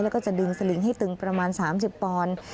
แล้วก็จะดึงสลิงให้ตึงประมาณ๓๐ปอนด์